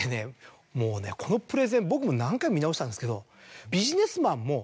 もうねこのプレゼン僕も何回も見直したんですけど。